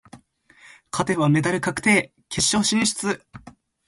勝てばメダル確定、決勝進出。